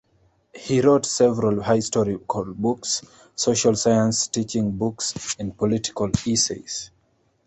He wrote several History books, Social Science teaching books and Political essays.